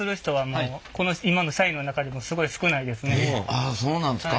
あっそうなんですか。